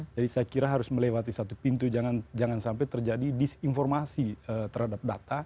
jadi saya kira harus melewati satu pintu jangan sampai terjadi disinformasi terhadap data